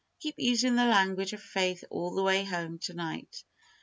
Keep using the language of faith all the way home to night.